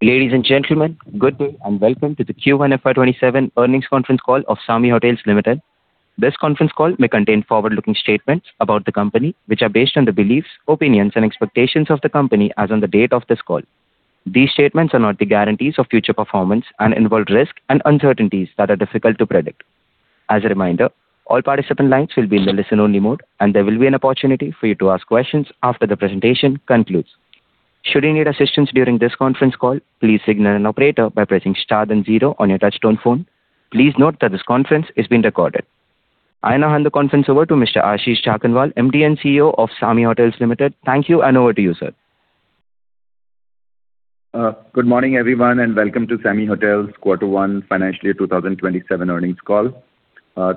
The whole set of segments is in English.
Ladies and gentlemen, good day and welcome to the Q1 FY 2027 earnings conference call of SAMHI Hotels Limited. This conference call may contain forward-looking statements about the company, which are based on the beliefs, opinions, and expectations of the company as on the date of this call. These statements are not the guarantees of future performance and involve risks and uncertainties that are difficult to predict. As a reminder, all participant lines will be in the listen-only mode, and there will be an opportunity for you to ask questions after the presentation concludes. Should you need assistance during this conference call, please signal an operator by pressing star then zero on your touchtone phone. Please note that this conference is being recorded. I now hand the conference over to Mr. Ashish Jakhanwala, Managing Director and Chief Executive Officer of SAMHI Hotels Limited. Thank you, and over to you, sir. Good morning, everyone, and welcome to SAMHI Hotels Quarter One Financial Year 2027 earnings call.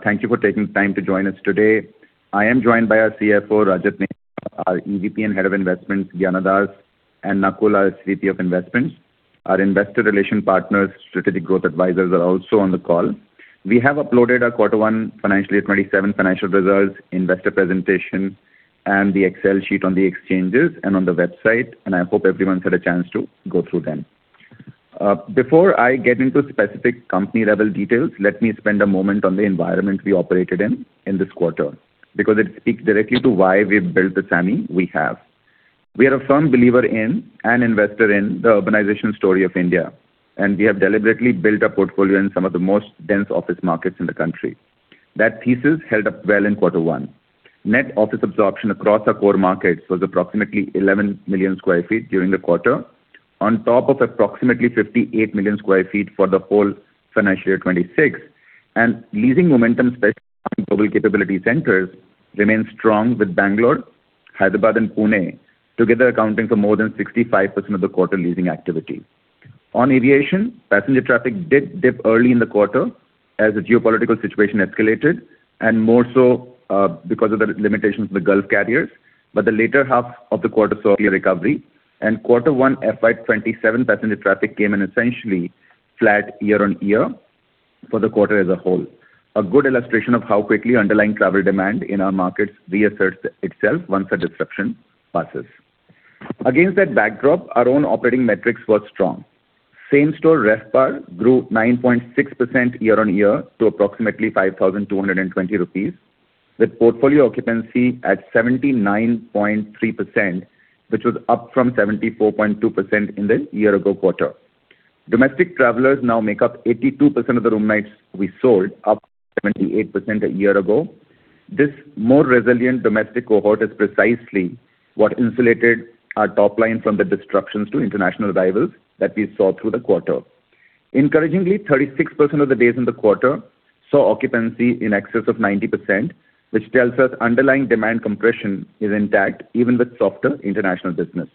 Thank you for taking the time to join us today. I am joined by our Chief Financial Officer, Rajat Mehra, our Executive Vice President and Head of Investments, Gyana Das, and Nakul Manaktala, our Senior Vice President of Investments. Our investor relation partners, Strategic Growth Advisors, are also on the call. We have uploaded our Quarter One Financial Year 2027 financial results, investor presentation, and the Excel sheet on the exchanges and on the website, and I hope everyone's had a chance to go through them. Before I get into specific company-level details, let me spend a moment on the environment we operated in in this quarter, because it speaks directly to why we've built the SAMHI we have. We are a firm believer in and investor in the urbanization story of India, and we have deliberately built a portfolio in some of the most dense office markets in the country. That thesis held up well in quarter one. Net office absorption across our core markets was approximately 11 million sq ft during the quarter, on top of approximately 58 million sq ft for the whole Financial Year 2026. Leasing momentum global capability centers remains strong with Bangalore, Hyderabad, and Pune together accounting for more than 65% of the quarter leasing activity. On aviation, passenger traffic did dip early in the quarter as the geopolitical situation escalated, and more so because of the limitations of the Gulf carriers. But the latter half of the quarter saw a recovery, and quarter one FY 2027 passenger traffic came in essentially flat year-on-year for the quarter as a whole. A good illustration of how quickly underlying travel demand in our markets reasserts itself once a disruption passes. Against that backdrop, our own operating metrics were strong. Same-store RevPAR grew 9.6% year-on-year to approximately 5,220 rupees, with portfolio occupancy at 79.3%, which was up from 74.2% in the year-ago quarter. Domestic travelers now make up 82% of the room nights we sold, up from 78% a year ago. This more resilient domestic cohort is precisely what insulated our top line from the disruptions to international arrivals that we saw through the quarter. Encouragingly, 36% of the days in the quarter saw occupancy in excess of 90%, which tells us underlying demand compression is intact even with softer international business.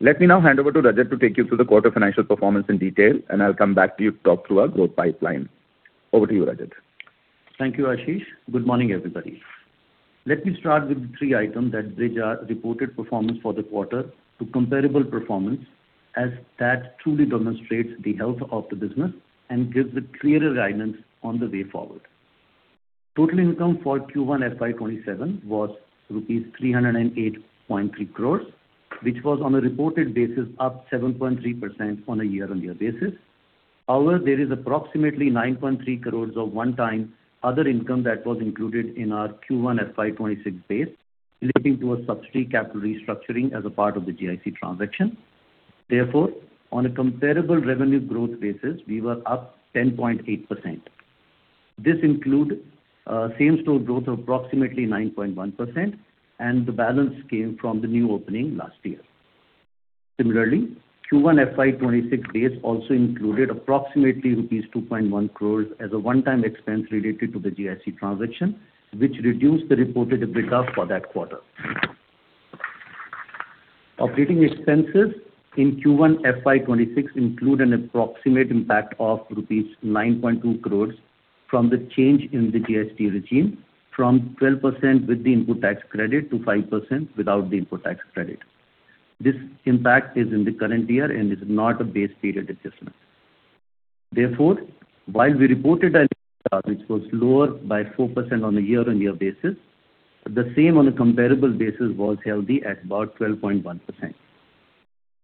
Let me now hand over to Rajat to take you through the quarter financial performance in detail, and I'll come back to you to talk through our growth pipeline. Over to you, Rajat. Thank you, Ashish. Good morning, everybody. Let me start with the three items that bridge our reported performance for the quarter to comparable performance, as that truly demonstrates the health of the business and gives a clearer guidance on the way forward. Total income for Q1 FY 2027 was rupees 308.3 crores, which was on a reported basis up 7.3% on a year-on-year basis. There is approximately 9.3 crores of one-time other income that was included in our Q1 FY 2026 base relating to a subsidiary capital restructuring as a part of the GIC transaction. On a comparable revenue growth basis, we were up 10.8%. This included same-store growth of approximately 9.1%, and the balance came from the new opening last year. Similarly, Q1 FY 2026 base also included approximately rupees 2.1 crores as a one-time expense related to the GIC transaction, which reduced the reported EBITDA for that quarter. Operating expenses in Q1 FY 2026 include an approximate impact of rupees 9.2 crores from the change in the GST regime from 12% with the input tax credit to 5% without the input tax credit. This impact is in the current year and is not a base period adjustment. While we reported our EBITDA, which was lower by 4% on a year-on-year basis, the same on a comparable basis was healthy at about 12.1%.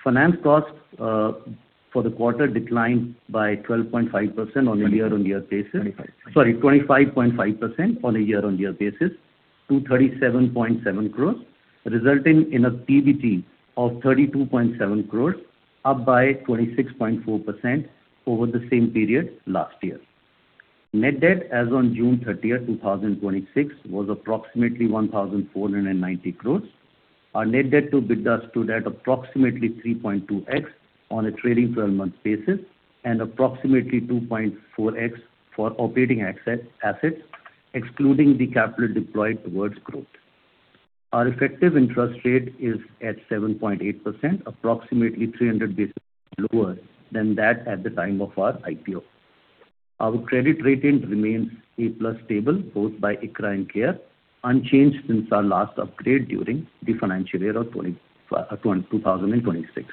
Finance costs for the quarter declined by 12.5% on a year-on-year basis. 25.5% Sorry, 25.5% on a year-on-year basis to 37.7 crores, resulting in a PBT of 32.7 crores, up by 26.4% over the same period last year. Net debt as on June 30th, 2026, was approximately 1,490 crores. Our net debt to EBITDA stood at approximately 3.2x on a trailing 12-month basis and approximately 2.4x for operating assets excluding the capital deployed towards growth. Our effective interest rate is at 7.8%, approximately 300 basis points lower than that at the time of our IPO. Our credit rating remains A+ stable, both by ICRA and CARE, unchanged since our last upgrade during the financial year of 2026.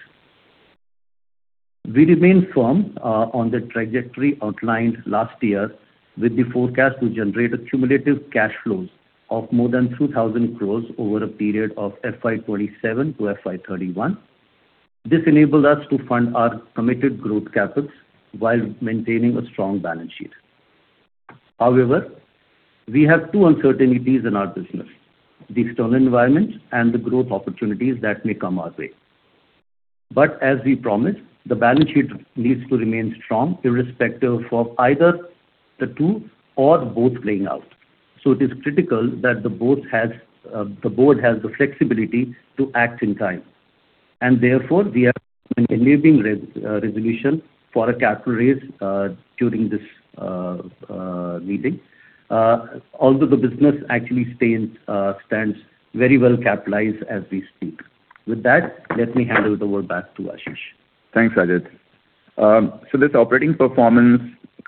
We remain firm on the trajectory outlined last year with the forecast to generate a cumulative cash flow of more than 2,000 crores over a period of FY 2027-FY 2031. This enabled us to fund our committed growth capitals while maintaining a strong balance sheet. However, we have two uncertainties in our business, the external environment and the growth opportunities that may come our way. As we promised, the balance sheet needs to remain strong irrespective of either the two or both playing out. It is critical that the board has the flexibility to act in time, and therefore we are enabling resolution for a capital raise during this meeting. Although the business actually stands very well capitalized as we speak. With that, let me hand over the word back to Ashish. Thanks, Rajat. This operating performance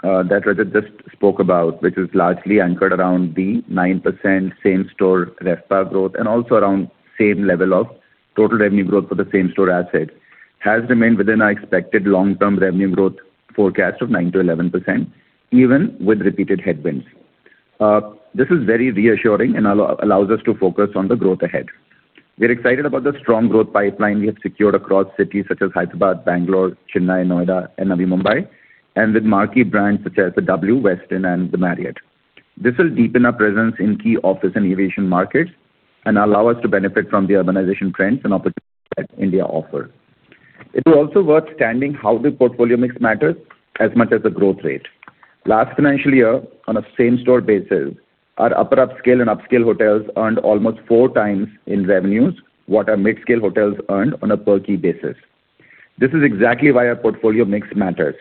that Rajat just spoke about, which is largely anchored around the 9% same-store RevPAR growth and also around the same level of total revenue growth for the same store assets, has remained within our expected long-term revenue growth forecast of 9%-11%, even with repeated headwinds. This is very reassuring and allows us to focus on the growth ahead. We are excited about the strong growth pipeline we have secured across cities such as Hyderabad, Bangalore, Chennai, Noida and Navi Mumbai, and with marquee brands such as "the W", Westin and the Marriott. This will deepen our presence in key office and aviation markets and allow us to benefit from the urbanization trends and opportunities that India offers. It is also worth understanding how the portfolio mix matters as much as the growth rate. Last financial year, on a same-store basis, our upper upscale and upscale hotels earned almost four times in revenues what our midscale hotels earned on a per key basis. This is exactly why our portfolio mix matters.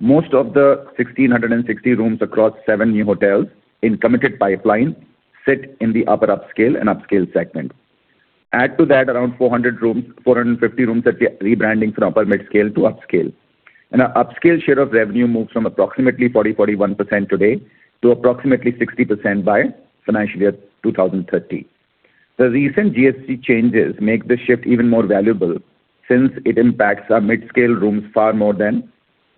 Most of the 1,660 rooms across seven new hotels in committed pipeline sit in the upper upscale and upscale segment. Add to that, around 450 rooms that we are rebranding from upper midscale to upscale. And our upscale share of revenue moves from approximately 40%-41% today to approximately 60% by financial year 2030. The recent GST changes make this shift even more valuable since it impacts our midscale rooms far more than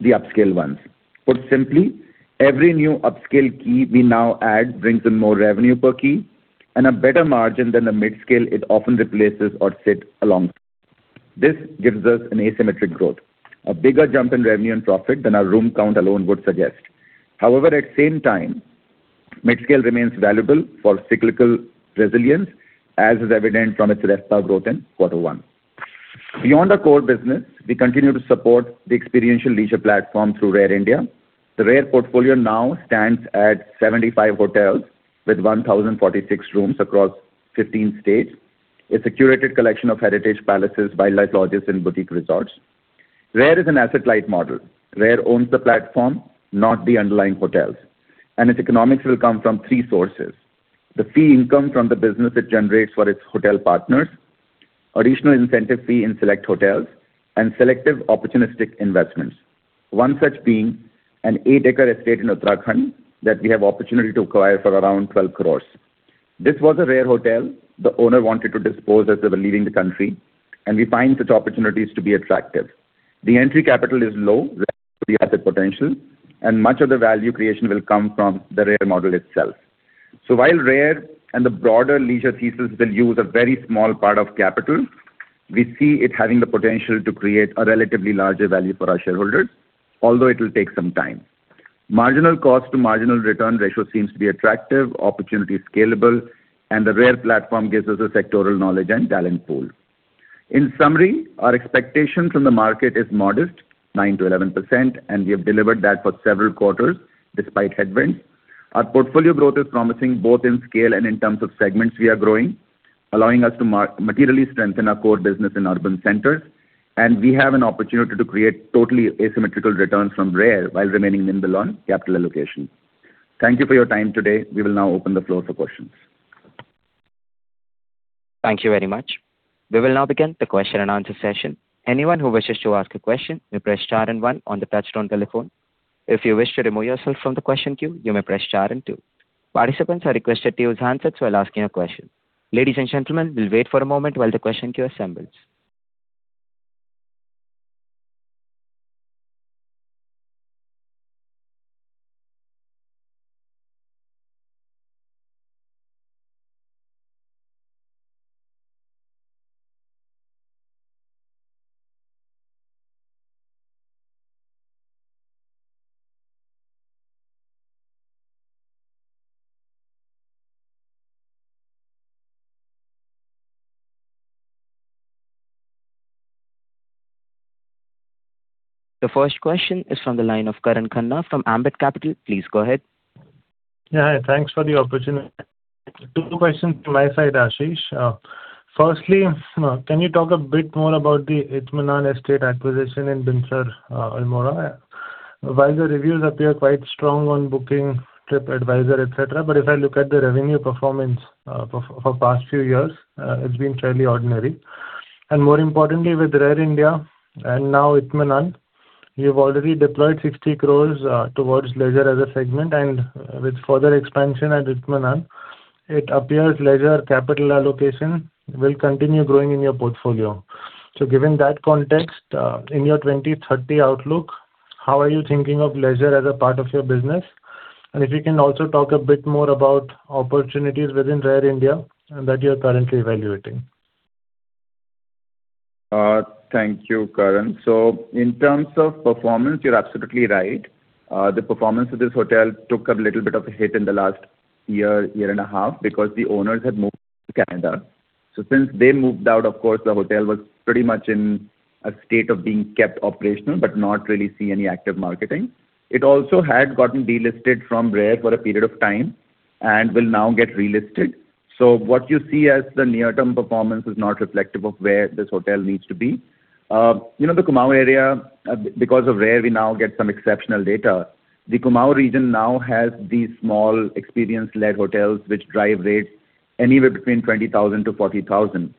the upscale ones. Put simply, every new upscale key we now add brings in more revenue per key and a better margin than the midscale it often replaces or sits alongside. This gives us an asymmetric growth, a bigger jump in revenue and profit than our room count alone would suggest. However, at the same time, midscale remains valuable for cyclical resilience, as is evident from its RevPAR growth in quarter one. Beyond our core business, we continue to support the experiential leisure platform through RARE India. The RARE portfolio now stands at 75 hotels with 1,046 rooms across 15 states. It's a curated collection of heritage palaces, wildlife lodges and boutique resorts. RARE is an asset-light model. RARE owns the platform, not the underlying hotels, and its economics will come from three sources. The fee income from the business it generates for its hotel partners, additional incentive fee in select hotels, and selective opportunistic investments. One such being an 8 acre estate in Uttarakhand that we have opportunity to acquire for around 12 crores. This was a RARE hotel the owner wanted to dispose of as they were leaving the country. We find such opportunities to be attractive. The entry capital is low relative to the asset potential, and much of the value creation will come from the RARE model itself. While RARE and the broader leisure thesis will use a very small part of capital, we see it having the potential to create a relatively larger value for our shareholders, although it will take some time. Marginal cost to marginal return ratio seems to be attractive, opportunity is scalable, and the RARE platform gives us a sectoral knowledge and talent pool. In summary, our expectation from the market is modest, 9%-11%. We have delivered that for several quarters despite headwinds. Our portfolio growth is promising, both in scale and in terms of segments we are growing, allowing us to materially strengthen our core business in urban centers. We have an opportunity to create totally asymmetrical returns from RARE while remaining nimble on capital allocation. Thank you for your time today. We will now open the floor for questions. Thank you very much. We will now begin the question and answer session. Anyone who wishes to ask a question may press star one on the touchtone telephone. If you wish to remove yourself from the question queue, you may press star two. Participants are requested to use handsets while asking a question. Ladies and gentlemen, we will wait for a moment while the question queue assembles. The first question is from the line of Karan Khanna from Ambit Capital. Please go ahead. Thanks for the opportunity. Two questions from my side, Ashish. Firstly, can you talk a bit more about the Itmenaan Estate acquisition in Binsar, Almora? While the reviews appear quite strong on Booking.com, TripAdvisor, et cetera, but if I look at the revenue performance for past few years, it has been fairly ordinary. More importantly, with RARE India and now Itmenaan, you have already deployed 60 crore towards leisure as a segment and with further expansion at Itmenaan, it appears leisure capital allocation will continue growing in your portfolio. Given that context, in your 2030 outlook, how are you thinking of leisure as a part of your business? If you can also talk a bit more about opportunities within RARE India that you are currently evaluating. Thank you, Karan. In terms of performance, you're absolutely right. The performance of this hotel took a little bit of a hit in the last year and a half, because the owners had moved to Canada. Since they moved out, of course, the hotel was pretty much in a state of being kept operational, but not really seeing any active marketing. It also had gotten delisted from RARE for a period of time and will now get relisted. What you see as the near-term performance is not reflective of where this hotel needs to be. The Kumaon area, because of RARE, we now get some exceptional data. The Kumaon region now has these small experience-led hotels which drive rates anywhere between 20,000-40,000.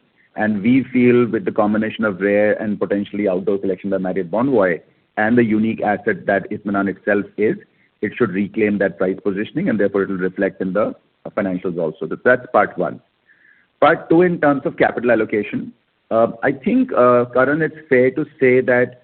We feel with the combination of RARE and potentially Outdoor Collection by Marriott Bonvoy and the unique asset that Itmenaan itself is, it should reclaim that price positioning, and therefore it will reflect in the financials also. That's part one. Part two in terms of capital allocation. I think, Karan, it's fair to say that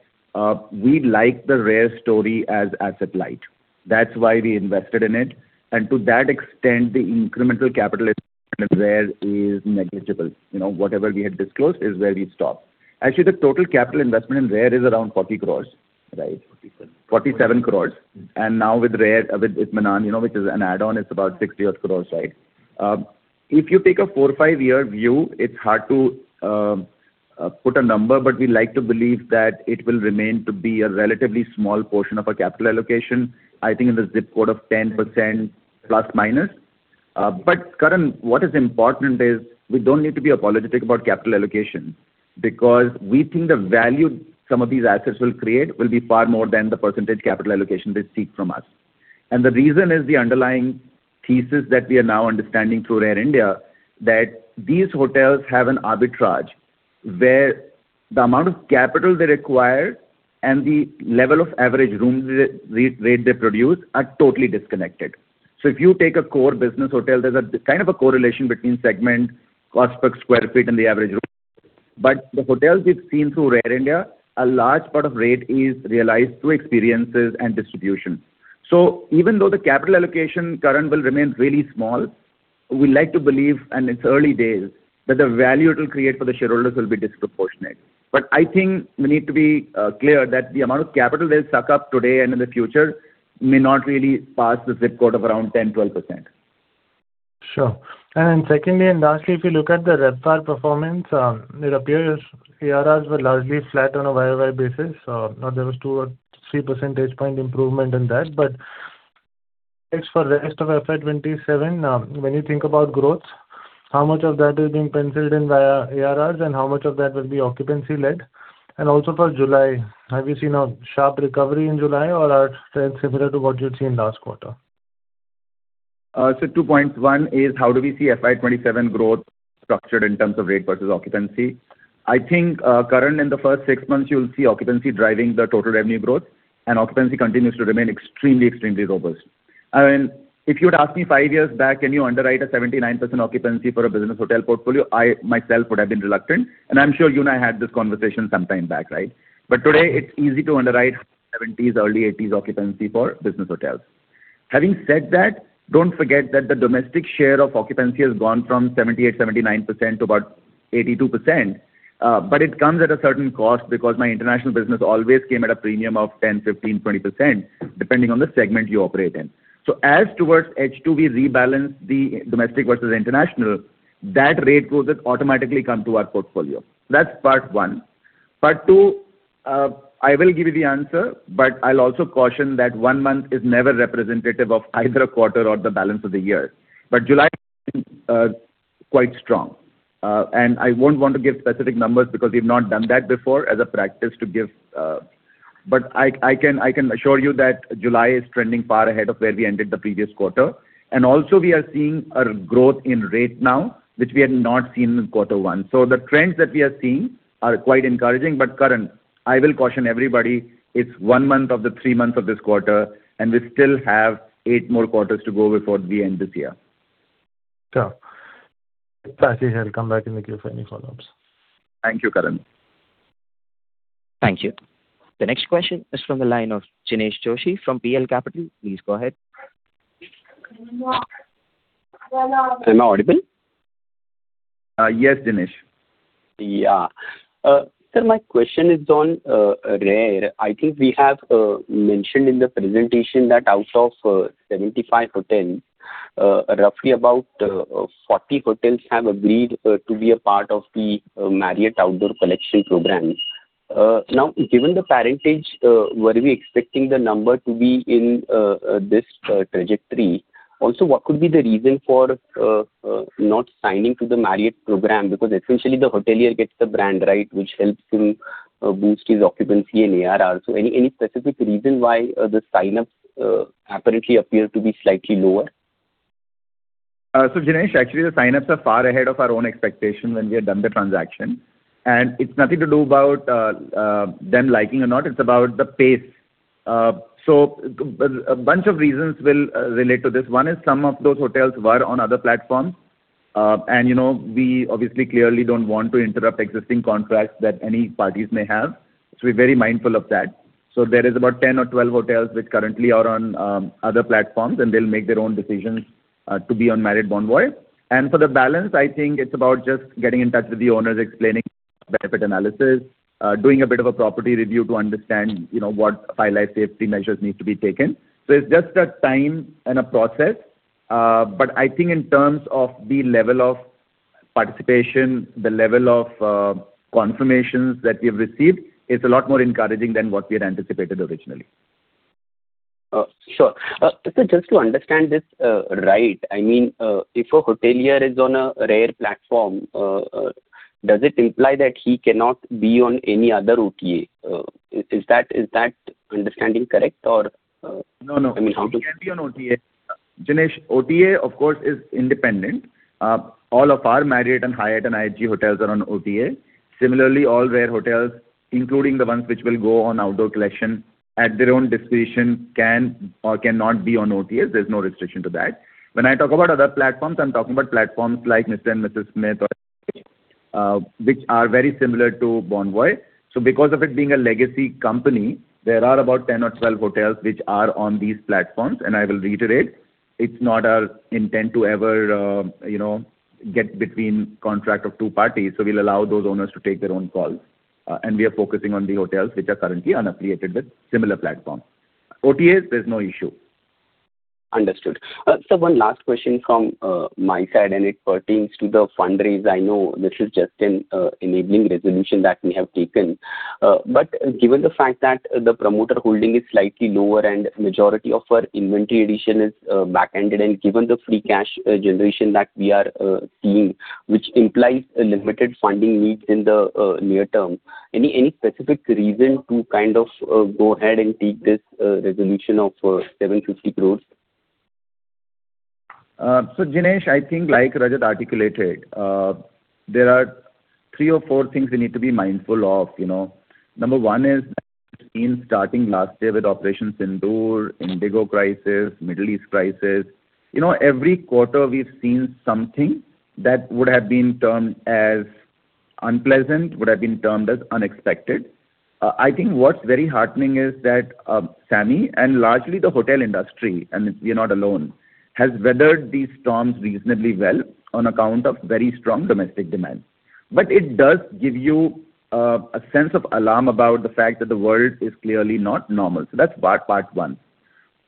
we like the RARE story as asset-light. That's why we invested in it. To that extent, the incremental capital in RARE is negligible. Whatever we had disclosed is where we stop. Actually, the total capital investment in RARE is around 40 crore, right? 47 crore. 47 crore. Now with Itmenaan, which is an add-on, it's about 60 odd crore, right? If you take a four or five-year view, it's hard to put a number, but we like to believe that it will remain to be a relatively small portion of our capital allocation. I think in the zip code of 10%± Karan, what is important is we don't need to be apologetic about capital allocation because we think the value some of these assets will create will be far more than the percentage capital allocation they seek from us. The reason is the underlying thesis that we are now understanding through RARE India, that these hotels have an arbitrage where the amount of capital they require and the level of average rooms rate they produce are totally disconnected. If you take a core business hotel, there's a kind of a correlation between segment cost per square feet and the average room. The hotels we've seen through RARE India, a large part of rate is realized through experiences and distribution. Even though the capital allocation, Karan, will remain really small, we like to believe, and it's early days, that the value it will create for the shareholders will be disproportionate. I think we need to be clear that the amount of capital they'll suck up today and in the future may not really pass the zip code of around 10%-12%. Secondly, and lastly, if you look at the RevPAR performance, it appears ARRs were largely flat on a year-over-year basis. There was 2 percentage point or 3 percentage point improvement in that, but as for the rest of FY 2027, when you think about growth, how much of that is being penciled in via ARRs and how much of that will be occupancy-led? Also for July, have you seen a sharp recovery in July or are trends similar to what you'd seen last quarter? Two points. One is how do we see FY 2027 growth structured in terms of rate versus occupancy? I think, Karan, in the first six months, you'll see occupancy driving the total revenue growth and occupancy continues to remain extremely robust. If you had asked me five years back, can you underwrite a 79% occupancy for a business hotel portfolio? I myself would have been reluctant, and I'm sure you and I had this conversation some time back, right? Today it's easy to underwrite seventies, early eighties occupancy for business hotels. Having said that, don't forget that the domestic share of occupancy has gone from 78%, 79% to about 82%, but it comes at a certain cost because my international business always came at a premium of 10%, 15%, 20%, depending on the segment you operate in. As towards H2, we rebalance the domestic versus international, that rate growth has automatically come to our portfolio. That's part one. Part two, I will give you the answer, but I'll also caution that one month is never representative of either a quarter or the balance of the year. July has been quite strong. I won't want to give specific numbers because we've not done that before as a practice to give. I can assure you that July is trending far ahead of where we ended the previous quarter. Also we are seeing a growth in rate now, which we had not seen in quarter one. The trends that we are seeing are quite encouraging. Karan, I will caution everybody, it's one month of the three months of this quarter, and we still have eight more quarters to go before we end this year. Sure. That's it. I'll come back in the queue for any follow-ups. Thank you, Karan. Thank you. The next question is from the line of Jinesh Joshi from Prabhudas Lilladher. Please go ahead. Am I audible? Yes, Jinesh. Sir, my question is on RARE. I think we have mentioned in the presentation that out of 75 hotels, roughly about 40 hotels have agreed to be a part of the Marriott Outdoor Collection program. Now given the percentage, were we expecting the number to be in this trajectory? Also, what could be the reason for not signing to the Marriott program? Because essentially the hotelier gets the brand right, which helps him boost his occupancy and ARR. Any specific reason why the sign-ups apparently appear to be slightly lower? Jinesh, actually, the sign-ups are far ahead of our own expectation when we had done the transaction. It's nothing to do about them liking or not. It's about the pace. A bunch of reasons will relate to this. One is some of those hotels were on other platforms We obviously clearly don't want to interrupt existing contracts that any parties may have. We're very mindful of that. There is about 10 or 12 hotels which currently are on other platforms, and they'll make their own decisions to be on Marriott Bonvoy. For the balance, I think it's about just getting in touch with the owners, explaining benefit analysis, doing a bit of a property review to understand what high safety measures need to be taken. It's just a time and a process. I think in terms of the level of participation, the level of confirmations that we have received is a lot more encouraging than what we had anticipated originally. Sure. Sir, just to understand this right, if a hotelier is on a RARE platform, does it imply that he cannot be on any other OTA? Is that understanding correct or? No. I mean. He can be on OTA. Jinesh, OTA of course, is independent. All of our Marriott and Hyatt and IHG hotels are on OTA. Similarly, all RARE hotels, including the ones which will go on Outdoor Collection at their own discretion, can or cannot be on OTAs. There's no restriction to that. When I talk about other platforms, I'm talking about platforms like Mr & Mrs Smith or which are very similar to Bonvoy. Because of it being a legacy company, there are about 10 or 12 hotels which are on these platforms, and I will reiterate, it's not our intent to ever get between contract of two parties. We'll allow those owners to take their own calls. We are focusing on the hotels which are currently unaffiliated with similar platforms. OTAs, there's no issue. Understood. Sir, one last question from my side, and it pertains to the fundraise. I know this is just an enabling resolution that we have taken. Given the fact that the promoter holding is slightly lower and majority of our inventory addition is back-ended, and given the free cash generation that we are seeing, which implies a limited funding need in the near term, any specific reason to go ahead and take this resolution of 750 crore? Jinesh, I think like Rajat articulated, there are three or four things we need to be mindful of. Number one is that in starting last year with Operation Sindoor, IndiGo crisis, Middle East crisis, every quarter we've seen something that would have been termed as unpleasant, would have been termed as unexpected. I think what's very heartening is that SAMHI and largely the hotel industry, and we are not alone, has weathered these storms reasonably well on account of very strong domestic demand. It does give you a sense of alarm about the fact that the world is clearly not normal. That's part one.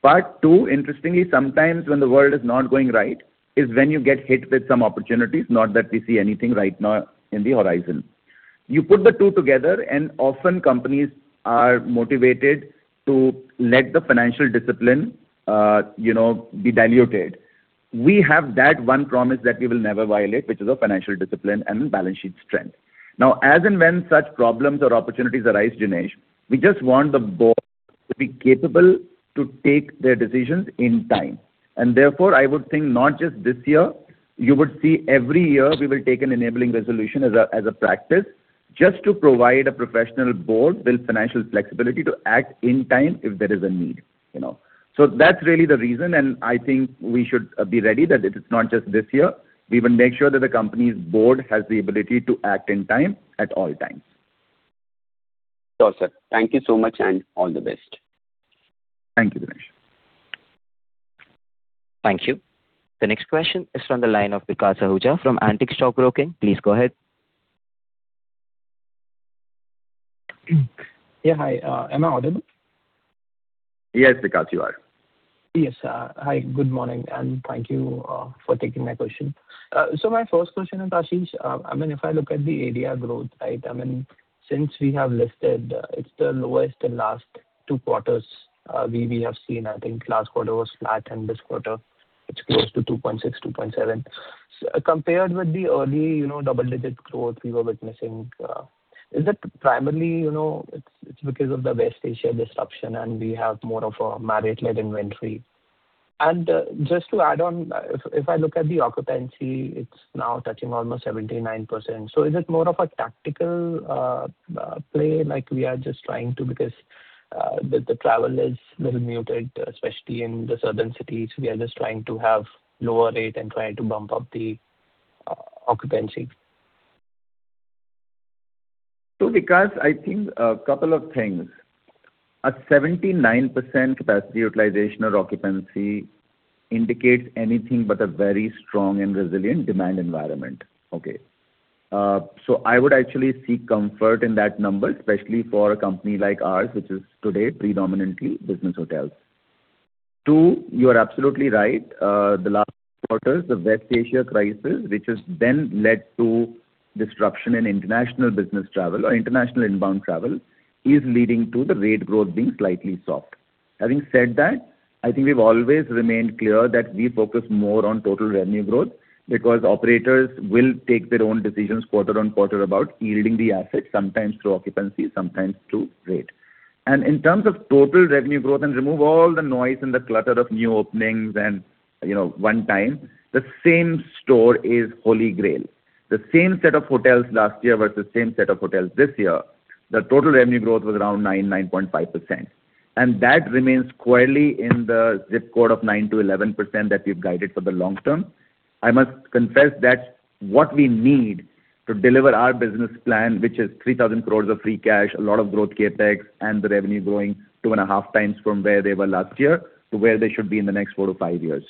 Part two, interestingly, sometimes when the world is not going right is when you get hit with some opportunities. Not that we see anything right now in the horizon. You put the two together, often companies are motivated to let the financial discipline be diluted. We have that one promise that we will never violate, which is of financial discipline and balance sheet strength. As and when such problems or opportunities arise, Jinesh, we just want the board to be capable to take their decisions in time. Therefore, I would think not just this year, you would see every year we will take an enabling resolution as a practice just to provide a professional board with financial flexibility to act in time if there is a need. That's really the reason, and I think we should be ready that it is not just this year. We will make sure that the company's board has the ability to act in time at all times. Sure, sir. Thank you so much, all the best. Thank you, Jinesh. Thank you. The next question is from the line of Vikas Ahuja from Antique Stock Broking. Please go ahead. Yeah. Hi. Am I audible? Yes, Vikas, you are. Yes. Hi. Good morning, and thank you for taking my question. My first question is, Ashish, if I look at the ADR growth, since we have listed, it's the lowest in last two quarters. We have seen, I think last quarter was flat and this quarter it's close to 2.6, 2.7. Compared with the early double-digit growth we were witnessing, is it primarily it's because of the West Asia disruption and we have more of a Marriott-led inventory? Just to add on, if I look at the occupancy, it's now touching almost 79%. Is it more of a tactical play like we are just trying to because the travel is little muted, especially in the southern cities? We are just trying to have lower rate and trying to bump up the occupancy. Vikas, I think a couple of things. A 79% capacity utilization or occupancy indicates anything but a very strong and resilient demand environment. Okay. I would actually seek comfort in that number, especially for a company like ours, which is today predominantly business hotels. Two, you are absolutely right. The last quarters, the West Asia crisis, which has then led to disruption in international business travel or international inbound travel, is leading to the rate growth being slightly soft. Having said that, I think we've always remained clear that we focus more on total revenue growth because operators will take their own decisions quarter on quarter about yielding the assets, sometimes through occupancy, sometimes through rate. In terms of total revenue growth and remove all the noise and the clutter of new openings and one time, the same store is Holy Grail. The same set of hotels last year versus same set of hotels this year, the total revenue growth was around 9%-9.5%. That remains squarely in the zip code of 9%-11% that we've guided for the long term. I must confess that what we need to deliver our business plan, which is 3,000 crore of free cash, a lot of growth CapEx, and the revenue growing 2.5x From where they were last year to where they should be in the next four to five years.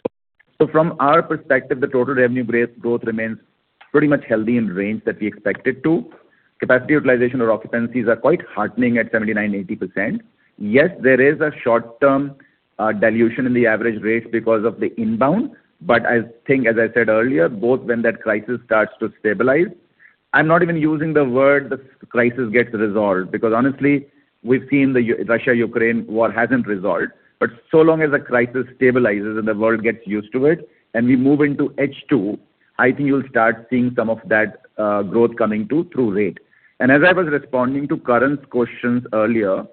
From our perspective, the total revenue growth remains pretty much healthy in range that we expect it to. Capacity utilization or occupancies are quite heartening at 79%-80%. Yes, there is a short-term dilution in the average rate because of the inbound. I think, as I said earlier, both when that crisis starts to stabilize, I'm not even using the word the crisis gets resolved, because honestly, we've seen the Russia-Ukraine war hasn't resolved. So long as the crisis stabilizes and the world gets used to it and we move into H2, I think you'll start seeing some of that growth coming too through rate. As I was responding to Karan's questions earlier,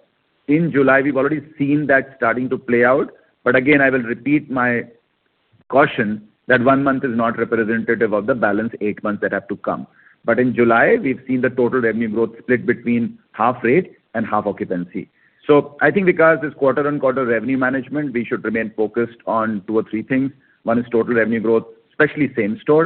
in July, we've already seen that starting to play out. Again, I will repeat my caution that one month is not representative of the balance eight months that have to come. In July, we've seen the total revenue growth split between half rate and half occupancy. I think, Vikas Ahuja, this quarter-on-quarter revenue management, we should remain focused on two or three things. One is total revenue growth, especially same store,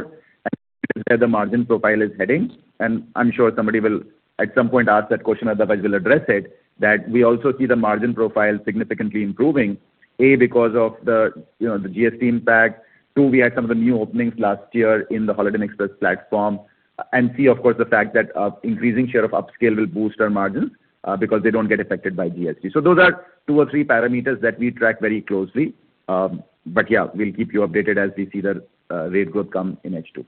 and where the margin profile is heading. I'm sure somebody will at some point ask that question, otherwise we'll address it, that we also see the margin profile significantly improving. A, because of the GST impact, two we had some of the new openings last year in the Holiday Inn Express platform. C, of course, the fact that increasing share of upscale will boost our margin because they don't get affected by GST. Those are two or three parameters that we track very closely. Yeah, we'll keep you updated as we see the rate growth come in H2.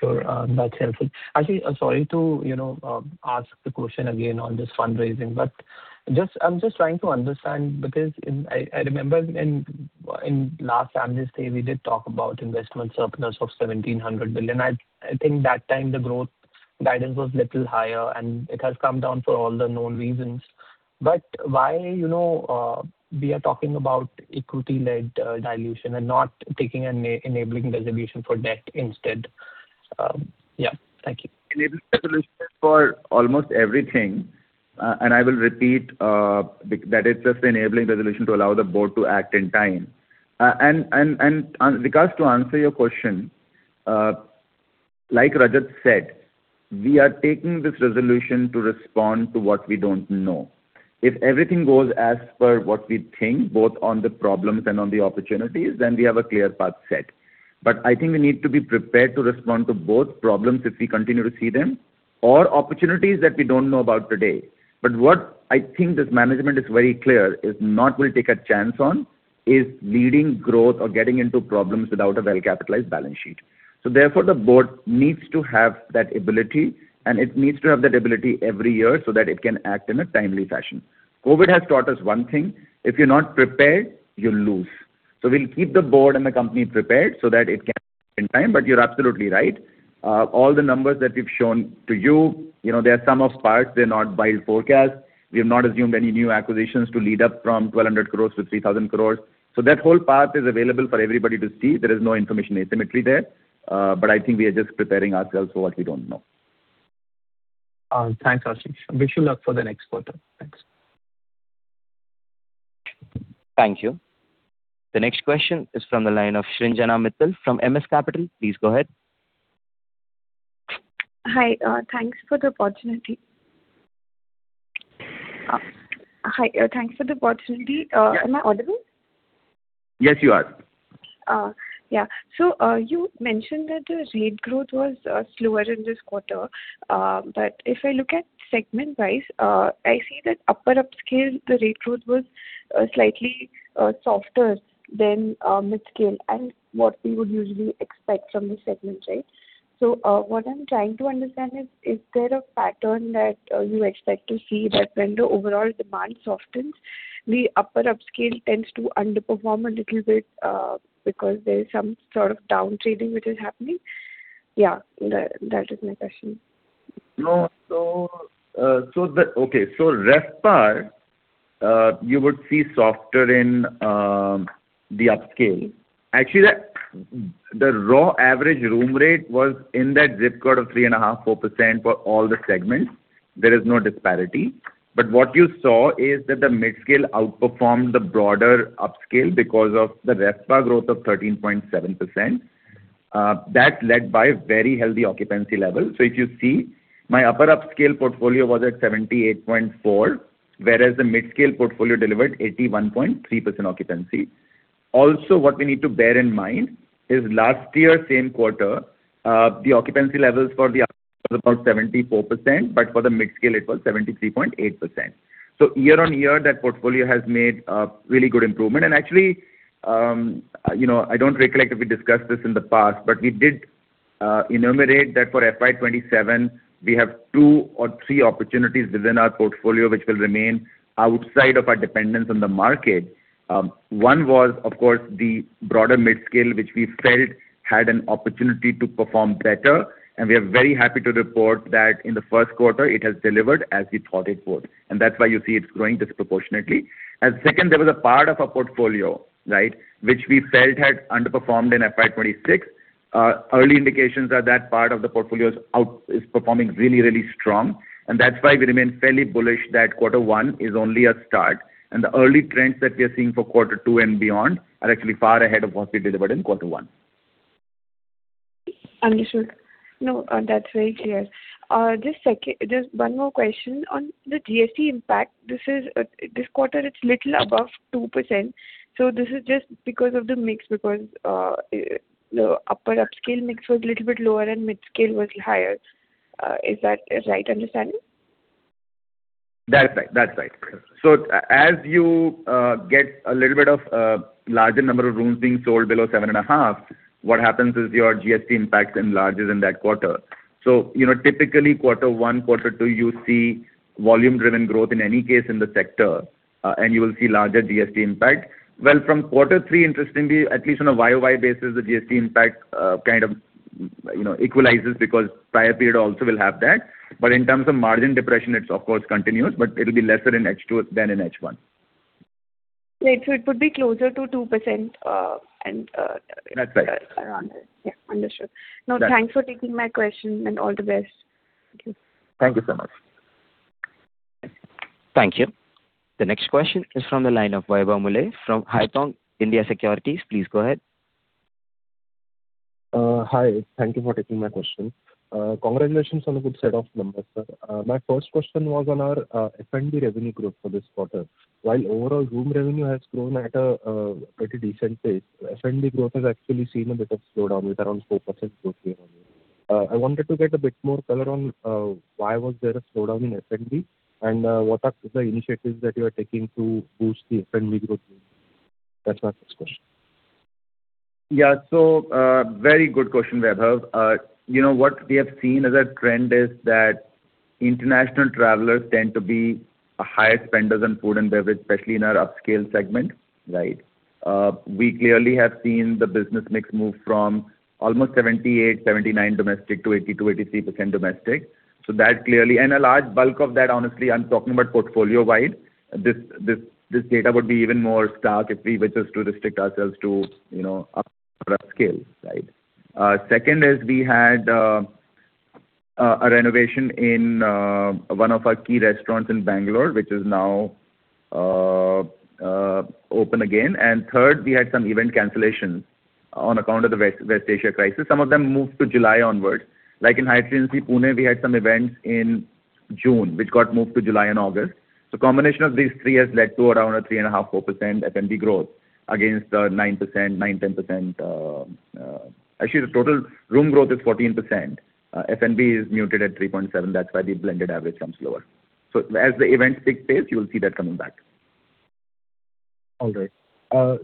Sure. That's helpful. Actually, sorry to ask the question again on this fundraising, I'm just trying to understand because I remember in last Analyst Day, we did talk about investment surplus of 1,700 billion. I think that time the growth guidance was little higher, and it has come down for all the known reasons. Why, we are talking about equity-led dilution and not taking an enabling resolution for debt instead. Yeah. Thank you. Enabling resolution is for almost everything. I will repeat, that it's just an enabling resolution to allow the board to act in time. Vikas, to answer your question, like Rajat said, we are taking this resolution to respond to what we don't know. If everything goes as per what we think, both on the problems and on the opportunities, then we have a clear path set. I think we need to be prepared to respond to both problems if we continue to see them or opportunities that we don't know about today. What I think this management is very clear is not we'll take a chance on is leading growth or getting into problems without a well-capitalized balance sheet. Therefore, the board needs to have that ability, and it needs to have that ability every year so that it can act in a timely fashion. COVID has taught us one thing. If you're not prepared, you lose. We'll keep the board and the company prepared so that it can act in time. You're absolutely right. All the numbers that we've shown to you, they are sum of parts. They're not buy-side forecast. We have not assumed any new acquisitions to lead up from 1,200 crores to 3,000 crores. That whole part is available for everybody to see. There is no information asymmetry there. I think we are just preparing ourselves for what we don't know. Thanks, Ashish. Wish you luck for the next quarter. Thanks. Thank you. The next question is from the line of Shrinjana Mittal from MS Capital. Please go ahead. Hi. Thanks for the opportunity. Am I audible? Yes, you are. Yeah. You mentioned that the rate growth was slower in this quarter. If I look at segment-wise, I see that upper upscale, the rate growth was slightly softer than mid-scale and what we would usually expect from the segments, right? What I'm trying to understand is there a pattern that you expect to see that when the overall demand softens, the upper upscale tends to underperform a little bit because there is some sort of downtrading which is happening? Yeah. That is my question. Okay. RevPAR, you would see softer in the upscale. Actually, the raw average room rate was in that zip code of 3.5%-4% for all the segments. There is no disparity. What you saw is that the mid-scale outperformed the broader upscale because of the RevPAR growth of 13.7%. That led by very healthy occupancy levels. If you see, my upper upscale portfolio was at 78.4%, whereas the mid-scale portfolio delivered 81.3% occupancy. Also, what we need to bear in mind is last year, same quarter, the occupancy levels for the was about 74%, but for the mid-scale it was 73.8%. Year-on-year, that portfolio has made a really good improvement. Actually, I don't recollect if we discussed this in the past, but we did enumerate that for FY 2027 we have two or three opportunities within our portfolio which will remain outside of our dependence on the market. One was, of course, the broader mid-scale, which we felt had an opportunity to perform better, and we are very happy to report that in the first quarter it has delivered as we thought it would. That's why you see it's growing disproportionately. Second, there was a part of our portfolio, which we felt had underperformed in FY 2026. Early indications are that part of the portfolio is performing really, really strong. That's why we remain fairly bullish that Q1 is only a start, and the early trends that we are seeing for Q2 and beyond are actually far ahead of what we delivered in Q1. Understood. That's very clear. Just one more question on the GST impact. This quarter, it's little above 2%. This is just because of the mix, because the upper upscale mix was little bit lower and mid-scale was higher. Is that a right understanding? That's right. As you get a little bit of larger number of rooms being sold below seven and a half, what happens is your GST impact enlarges in that quarter. Typically Q1, Q2, you see volume-driven growth in any case in the sector, and you will see larger GST impact. From Q3, interestingly, at least on a year-on-year basis, the GST impact kind of equalizes because prior period also will have that. In terms of margin depression, it of course continues, but it'll be lesser in H2 than in H1. Right. It would be closer to 2%. That's right. Around it. Yeah, understood. Thanks for taking my question, and all the best. Thank you. Thank you so much. Thank you. The next question is from the line of Vaibhav Muley from Haitong India Securities. Please go ahead. Hi. Thank you for taking my question. Congratulations on the good set of numbers, sir. My first question was on our F&B revenue growth for this quarter. While overall room revenue has grown at a pretty decent pace, F&B growth has actually seen a bit of slowdown with around 4% growth year-on-year. I wanted to get a bit more color on why was there a slowdown in F&B, and what are the initiatives that you are taking to boost the F&B growth? That's my first question. Very good question, Vaibhav. What we have seen as a trend is that international travelers tend to be higher spenders on food and beverage, especially in our upscale segment. We clearly have seen the business mix move from almost 78%-79% domestic to 80%-83% domestic. A large bulk of that, honestly, I'm talking about portfolio-wide. This data would be even more stark if we were just to restrict ourselves to upscale. Second is we had a renovation in one of our key restaurants in Bangalore, which is now open again. Third, we had some event cancellations on account of the West Asia crisis. Some of them moved to July onwards. Like in Hyatt Regency Pune, we had some events in June, which got moved to July and August. Combination of these three has led to around a 3.5%-4% F&B growth against the 9%-10%. Actually, the total room growth is 14%. F&B is muted at 3.7%. That's why the blended average comes lower. As the events pick pace, you'll see that coming back. All right.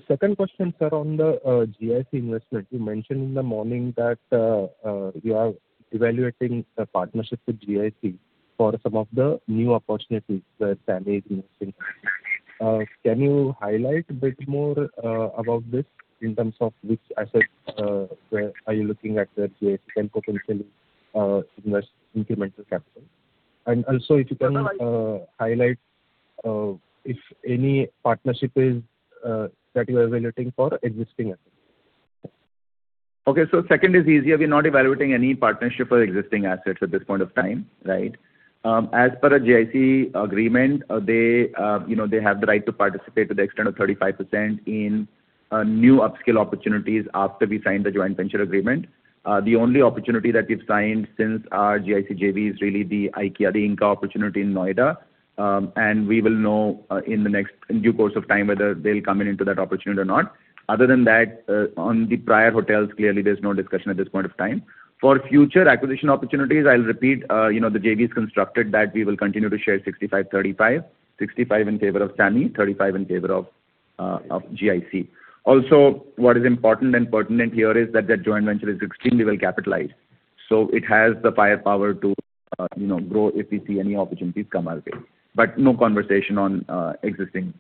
Second question, sir, on the GIC investment. You mentioned in the morning that you are evaluating a partnership with GIC for some of the new opportunities that SAMHI is missing. Can you highlight a bit more about this in terms of which assets are you looking at that GIC can potentially invest incremental capital? Also, if you can highlight if any partnership that you are evaluating for existing assets. Okay. Second is easier. We're not evaluating any partnership for existing assets at this point of time. As per our GIC agreement, they have the right to participate to the extent of 35% in new upscale opportunities after we sign the joint venture agreement. The only opportunity that we've signed since our GIC JV is really the IKEA, the Ingka opportunity in Noida. We will know in due course of time whether they'll come in into that opportunity or not. Other than that, on the prior hotels, clearly there's no discussion at this point of time. For future acquisition opportunities, I'll repeat the JV is constructed that we will continue to share 65/35, 65 in favor of SAMHI, 35 in favor of GIC. Also, what is important and pertinent here is that that joint venture is extremely well capitalized. It has the firepower to grow if we see any opportunities come our way. No conversation on existing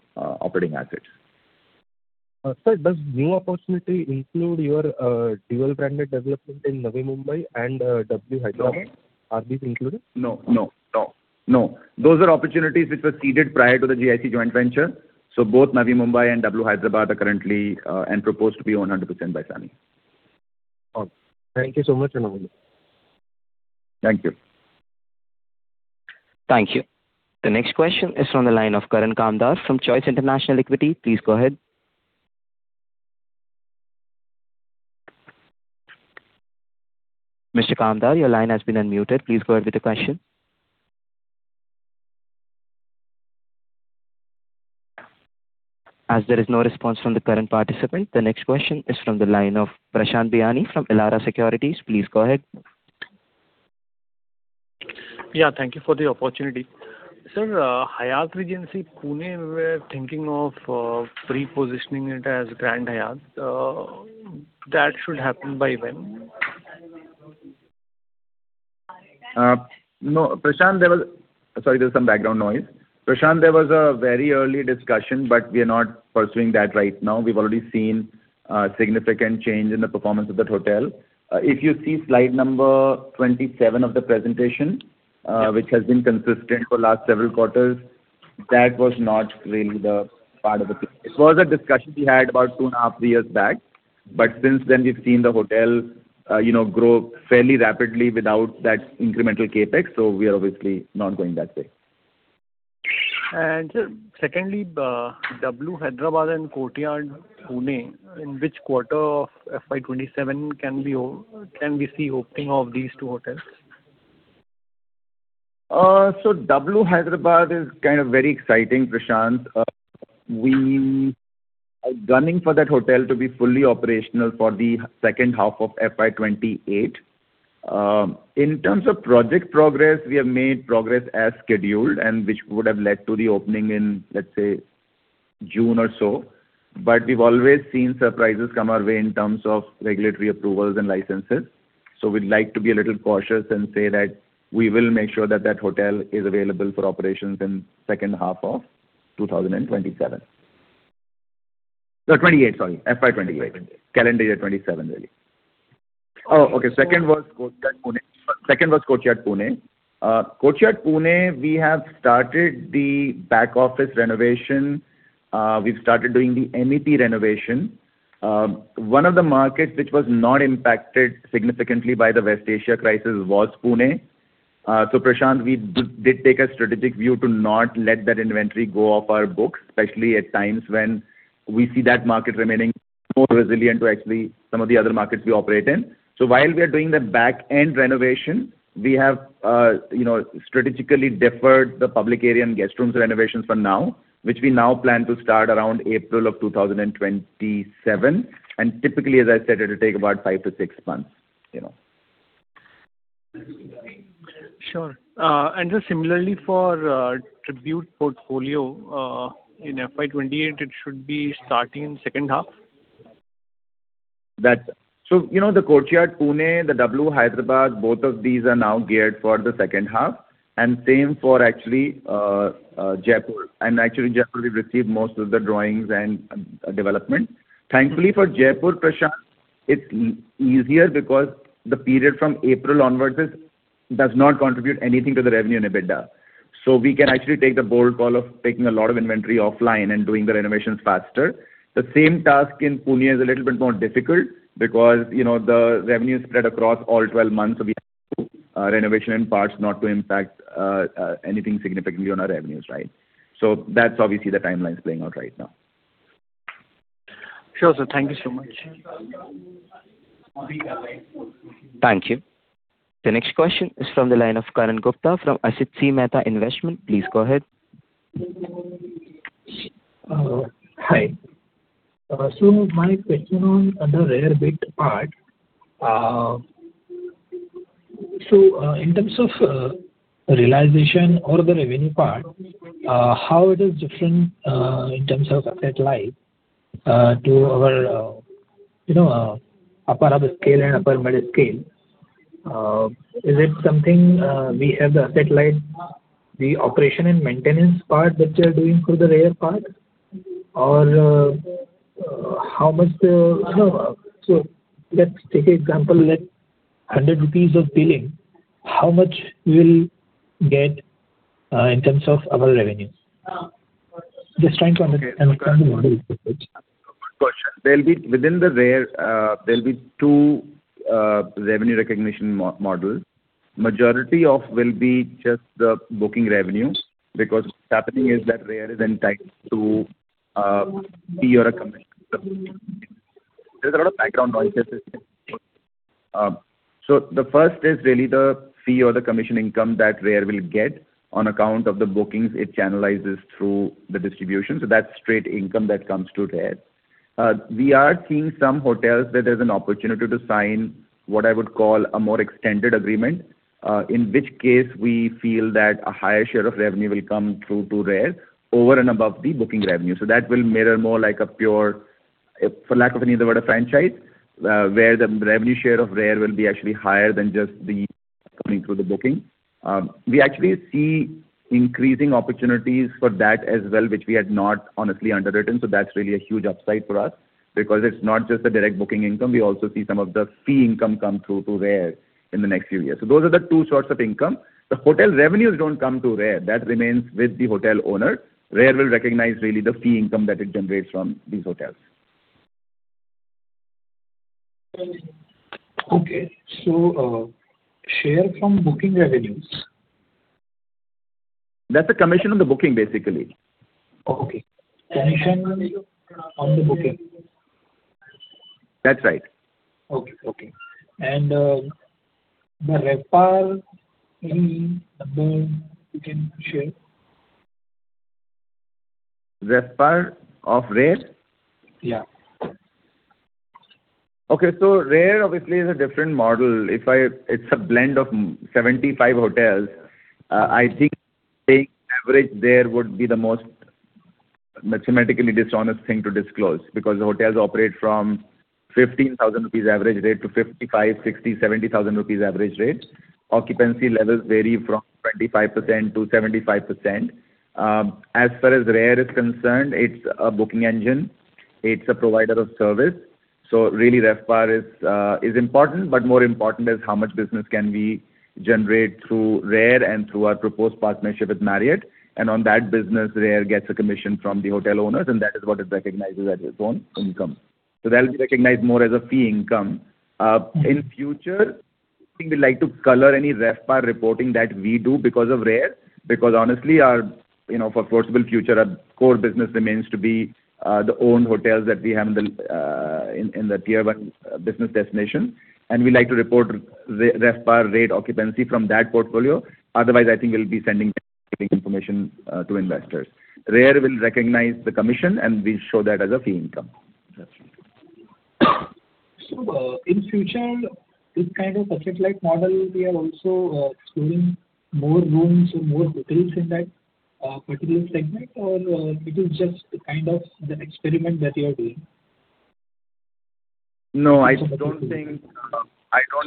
operating assets. Sir, does new opportunity include your dual-branded development in Navi Mumbai and W Hyderabad? No. Are these included? No. Those are opportunities which were seeded prior to the GIC joint venture. Both Navi Mumbai and W Hyderabad are currently and proposed to be owned 100% by SAMHI. Thank you so much. Thank you. Thank you. The next question is from the line of Karan Kamdar from Choice International Equity. Please go ahead. Mr. Kamdar, your line has been unmuted. Please go ahead with the question. As there is no response from the Karan participant, the next question is from the line of Prashant Biyani from Elara Securities. Please go ahead. Yeah, thank you for the opportunity. Sir, Hyatt Regency Pune, we're thinking of pre-positioning it as Grand Hyatt. That should happen by when? No, Prashant, Sorry, there's some background noise. Prashant, there was a very early discussion, we are not pursuing that right now. We've already seen a significant change in the performance of that hotel. If you see slide number 27 of the presentation, which has been consistent for last several quarters. That was not really the part of the plan. It was a discussion we had about two and a half, three years back, since then we've seen the hotel grow fairly rapidly without that incremental CapEx, we are obviously not going that way. Sir, secondly, W Hyderabad and Courtyard Pune, in which quarter of FY 2027 can we see opening of these two hotels? W Hyderabad is kind of very exciting, Prashant. We are gunning for that hotel to be fully operational for the second half of FY 2028. In terms of project progress, we have made progress as scheduled and which would have led to the opening in, let's say, June or so. We've always seen surprises come our way in terms of regulatory approvals and licenses. We'd like to be a little cautious and say that we will make sure that that hotel is available for operations in second half of 2027. No, 2028, sorry. FY 2028. Calendar year 2027, really. Oh, okay. Second was Courtyard Pune. Courtyard Pune, we have started the back office renovation. We've started doing the MEP renovation. One of the markets which was not impacted significantly by the West Asia crisis was Pune. Prashant, we did take a strategic view to not let that inventory go off our books, especially at times when we see that market remaining more resilient to actually some of the other markets we operate in. While we are doing the back-end renovation, we have strategically deferred the public area and guest rooms renovations for now, which we now plan to start around April of 2027. Typically, as I said, it will take about five to six months. Sure. Just similarly for Tribute Portfolio, in FY 2028, it should be starting in second half? The Courtyard Pune, the W Hyderabad, both of these are now geared for the second half. Same for actually Jaipur. Actually Jaipur we've received most of the drawings and development. Thankfully for Jaipur, Prashant, it's easier because the period from April onwards does not contribute anything to the revenue and EBITDA. We can actually take the bold call of taking a lot of inventory offline and doing the renovations faster. The same task in Pune is a little bit more difficult because the revenue is spread across all 12 months. We have to do renovation in parts not to impact anything significantly on our revenues. That's obviously the timelines playing out right now. Sure, sir. Thank you so much. Thank you. The next question is from the line of Karan Gupta from Asit C Mehta Investment. Please go ahead. Hi. My question on the RARE bit part. In terms of realization or the revenue part, how it is different in terms of asset light to our upper-upper scale and upper-middle scale? Is it something we have the asset light, the operation and maintenance part that you're doing through the RARE part? Or how much. Let's take an example, like 100 rupees of billing. How much we will get in terms of our revenue? Just trying to understand the model. Good question. Within the RARE, there will be two revenue recognition models. Majority of will be just the booking revenues because what's happening is that RARE is entitled to fee or a commission. There's a lot of background noise here. The first is really the fee or the commission income that RARE will get on account of the bookings it channelizes through the distribution. That's straight income that comes to RARE. We are seeing some hotels that there's an opportunity to sign what I would call a more extended agreement, in which case we feel that a higher share of revenue will come through to RARE over and above the booking revenue. That will mirror more like a pure, for lack of any other word, a franchise. Where the revenue share of RARE will be actually higher than just the income coming through the booking. We actually see increasing opportunities for that as well, which we had not honestly underwritten. That's really a huge upside for us because it's not just the direct booking income. We also see some of the fee income come through to RARE India in the next few years. Those are the two sorts of income. The hotel revenues don't come to RARE India. That remains with the hotel owner. RARE India will recognize really the fee income that it generates from these hotels. Okay. Share from booking revenues. That's a commission on the booking, basically. Okay. Commission on the booking. That's right. Okay. The RevPAR, any number you can share? RevPAR of RARE? Yeah. Okay. RARE obviously is a different model. It's a blend of 75 hotels. I think taking average there would be the most mathematically dishonest thing to disclose because the hotels operate from 15,000 rupees average rate to 55,000 rupees, 60,000 rupees, 70,000 rupees average rates. Occupancy levels vary from 25%-75%. As far as RARE is concerned, it's a booking engine. It's a provider of service. Really, RevPAR is important, but more important is how much business can we generate through RARE and through our proposed partnership with Marriott. On that business, RARE gets a commission from the hotel owners, and that is what it recognizes as its own income. That will be recognized more as a fee income. In future, I think we like to color any RevPAR reporting that we do because of RARE, because honestly, for foreseeable future, our core business remains to be the owned hotels that we have in the Tier 1 business destination. We like to report RevPAR rate occupancy from that portfolio. Otherwise, I think we'll be sending conflicting information to investors. RARE will recognize the commission, and we show that as a fee income. That's right. In future, this kind of asset-light model, we are also exploring more rooms or more hotels in that particular segment or it is just a kind of the experiment that you are doing? No, I don't think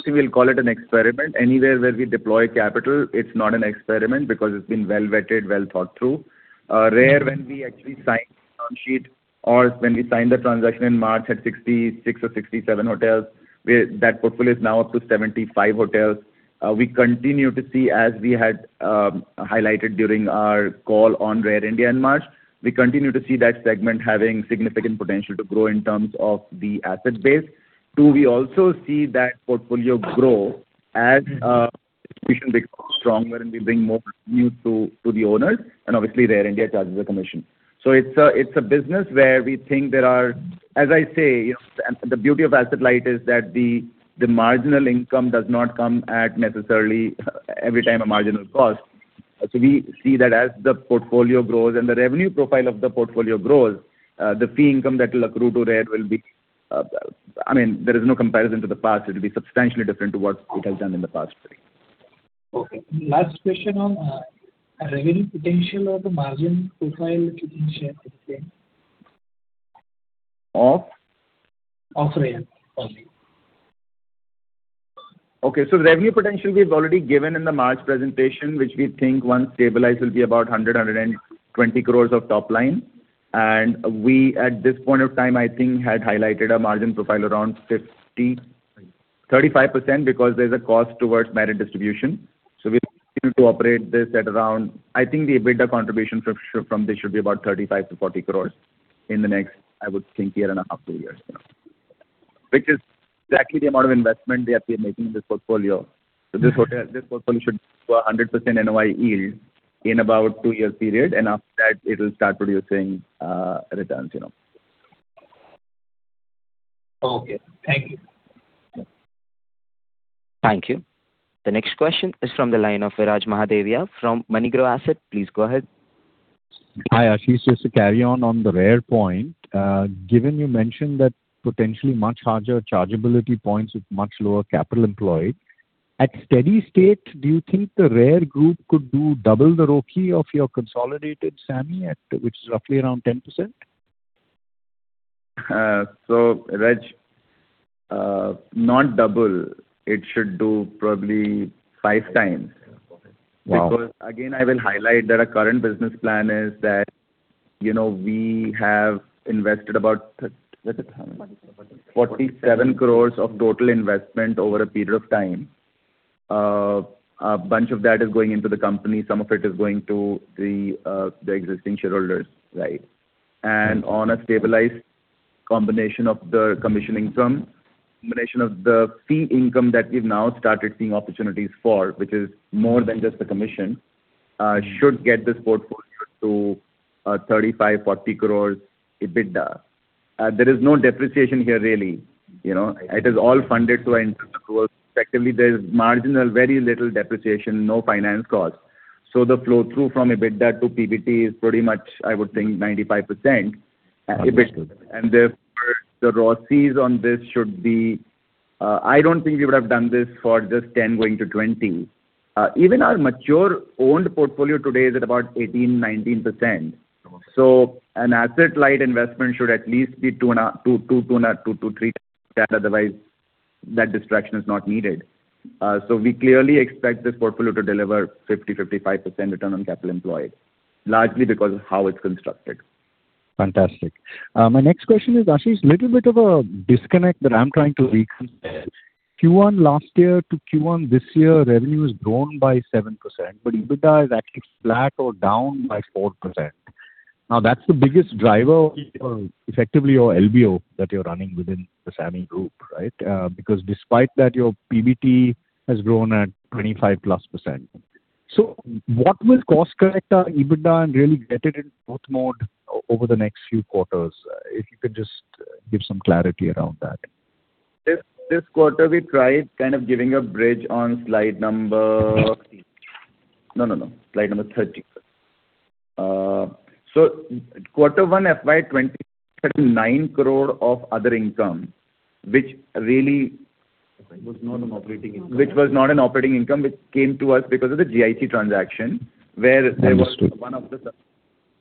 we'll call it an experiment. Anywhere where we deploy capital, it's not an experiment because it's been well vetted, well thought through. RARE, when we actually signed the term sheet or when we signed the transaction in March had 66 or 67 hotels. That portfolio is now up to 75 hotels. We continue to see, as we had highlighted during our call on RARE India in March, we continue to see that segment having significant potential to grow in terms of the asset base. Two, we also see that portfolio grow as distribution becomes stronger and we bring more revenue to the owners and obviously RARE India charges a commission. It's a business where we think, as I say, the beauty of asset-light is that the marginal income does not come at necessarily every time a marginal cost. We see that as the portfolio grows and the revenue profile of the portfolio grows, the fee income that will accrue to RARE, I mean, there is no comparison to the past. It'll be substantially different to what it has done in the past three. Okay. Last question on revenue potential or the margin profile if you can share quickly. Of? Of RARE only. Revenue potential we've already given in the March presentation, which we think once stabilized will be about 100 crore-120 crore of top line. We, at this point of time, I think, had highlighted a margin profile around 35% because there's a cost towards merit distribution. We continue to operate this at around. I think the EBITDA contribution from this should be about 35 crore-40 crore in the next, I would think, year and a half, two years. Which is exactly the amount of investment that we are making in this portfolio. This portfolio should do a 100% NOI yield in about two year period, after that it will start producing returns. Okay. Thank you. Yeah. Thank you. The next question is from the line of Viraj Mahadevia from Moneygrow Asset. Please go ahead. Hi, Ashish. Just to carry on on the RARE point. Given you mentioned that potentially much higher chargeability points with much lower capital employed. At steady state, do you think the RARE Group could do double the ROCE of your consolidated SAMHI, which is roughly around 10%? Viraj, not double. It should do probably 5x. Okay. Wow. Again, I will highlight that our current business plan is that, we have invested about. [inaudible] 47 crores of total investment over a period of time. A bunch of that is going into the company. Some of it is going to the existing shareholders. On a stabilized combination of the commissioning sum, combination of the fee income that we've now started seeing opportunities for, which is more than just the commission, should get this portfolio to 35, 40 crores EBITDA. There is no depreciation here, really. It is all funded through internal accruals. Effectively, there is marginal, very little depreciation, no finance cost. The flow through from EBITDA to PBT is pretty much, I would think, 95%. Understood. Therefore, the ROCEs on this should be. I don't think we would have done this for just 10 going to 20. Even our mature owned portfolio today is at about 18%-19%. Okay. An asset-light investment should at least be two to three times, otherwise that distraction is not needed. We clearly expect this portfolio to deliver 50%-55% return on capital employed, largely because of how it's constructed. Fantastic. My next question is, Ashish, little bit of a disconnect that I am trying to reconcile. Q1 last year to Q1 this year, revenue has grown by 7%, but EBITDA is actually flat or down by 4%. That is the biggest driver effectively your [inaudible] that you are running within the SAMHI Group, right? Because despite that, your PBT has grown at 25%+. What will course-correct our EBITDA and really get it in growth mode over the next few quarters? If you could just give some clarity around that. This quarter, we tried kind of giving a bridge on slide number.no.no.no. Slide number 30 Quarter one FY 2023, 9 crore of other income, which really. Was not an operating income. Which was not an operating income, which came to us because of the GIC transaction. Understood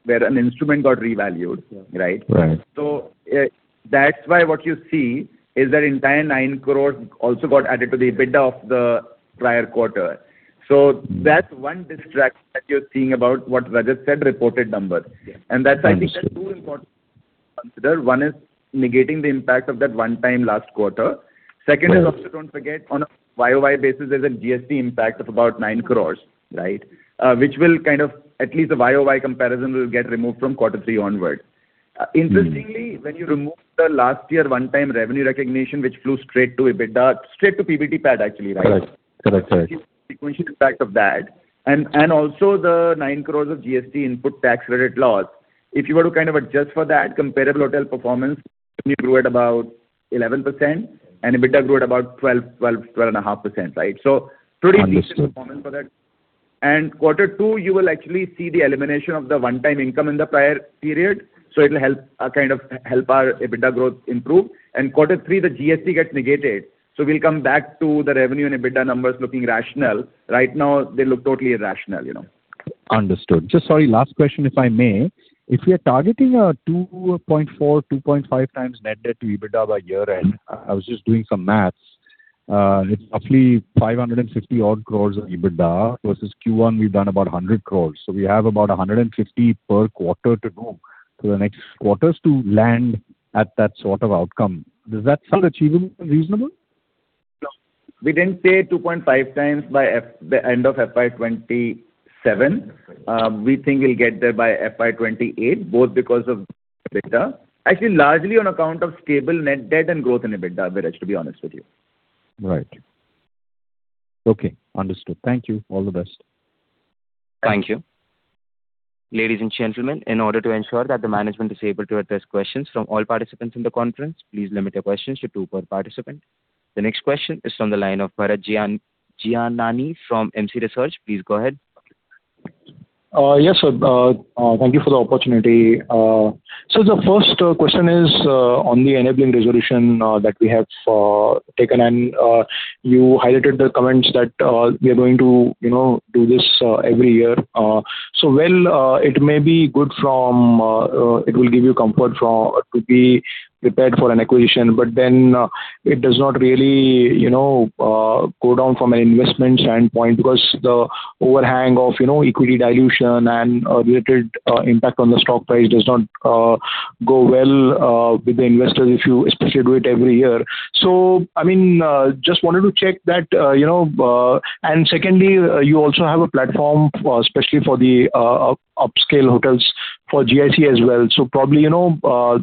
An instrument got revalued. Yeah. Right? Right. What you see is that entire nine crores also got added to the EBITDA of the prior quarter. That's one distraction that you're seeing about what Rajat said, reported numbers. Yes. Understood. That's I think that two important considerations. One is negating the impact of that one-time last quarter. Second is. Right Don't forget on a YoY basis, there's a GST impact of about 9 crores, which will kind of at least a YoY comparison will get removed from quarter three onward. Interestingly, when you remove the last year one-time revenue recognition, which flew straight to EBITDA, straight to PBT, PAT actually, right. Correct. Impact of that. Also the 9 crores of GST input tax credit loss. If you were to kind of adjust for that comparable hotel performance only grew at about 11% and EBITDA grew at about 12.5%. Pretty decent. Understood Performance for that. Quarter two, you will actually see the elimination of the one-time income in the prior period. It'll help our EBITDA growth improve. Quarter three, the GST gets negated. We'll come back to the revenue and EBITDA numbers looking rational. Right now, they look totally irrational. Understood. Just sorry, last question, if I may. If we are targeting a 2.4x, 2.5x net debt to EBITDA by year-end, I was just doing some maths. It's roughly 550 odd crores of EBITDA versus Q1 we've done about 100 crores. We have about 150 per quarter to go for the next quarters to land at that sort of outcome. Does that sound achievable and reasonable? No. We didn't say 2.5x by end of FY 2027. We think we'll get there by FY 2028, both because of EBITDA. Actually, largely on account of stable net debt and growth in EBITDA, Viraj, to be honest with you. Right. Okay, understood. Thank you. All the best. Thank you. Ladies and gentlemen, in order to ensure that the management is able to address questions from all participants in the conference, please limit your questions to two per participant. The next question is from the line of Bharat Gianani from MC Research. Please go ahead. Yes, sir. Thank you for the opportunity. The first question is on the enabling resolution that we have taken, and you highlighted the comments that we are going to do this every year. While it may be good from, it will give you comfort to be prepared for an acquisition, but then it does not really go down from an investment standpoint because the overhang of equity dilution and related impact on the stock price does not go well with the investors if you especially do it every year. I mean, just wanted to check that. Secondly, you also have a platform, especially for the upscale hotels for GIC as well. Probably,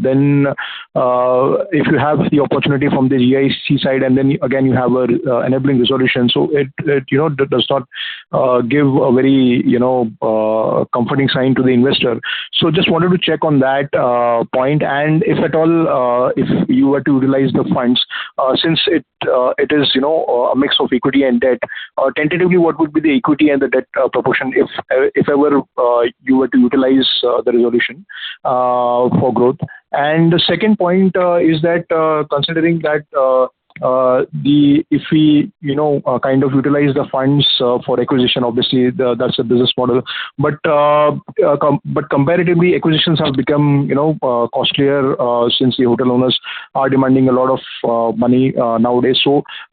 then if you have the opportunity from the GIC side and then again you have an enabling resolution, it does not give a very comforting sign to the investor. Just wanted to check on that point and if at all, if you were to utilize the funds, since it is a mix of equity and debt, tentatively what would be the equity and the debt proportion if ever you were to utilize the resolution for growth? The second point is that, considering that if we kind of utilize the funds for acquisition obviously that's the business model. Comparatively, acquisitions have become costlier since the hotel owners are demanding a lot of money nowadays.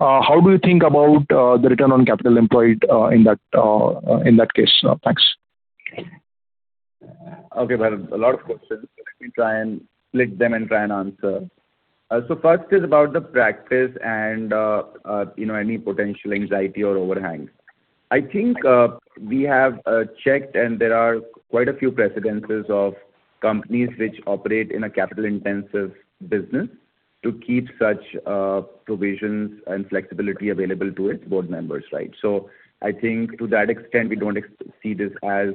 How do you think about the return on capital employed in that case? Thanks. Okay, Bharat. A lot of questions. Let me try and split them and try and answer. First is about the practice and any potential anxiety or overhangs. I think we have checked, and there are quite a few precedences of companies which operate in a capital-intensive business to keep such provisions and flexibility available to its board members, right? I think to that extent, we don't see this as